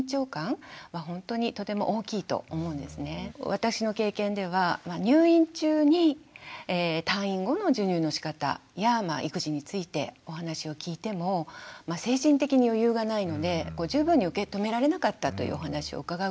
私の経験では入院中に退院後の授乳のしかたや育児についてお話を聞いても精神的に余裕がないので十分に受け止められなかったというお話を伺うことも多いです。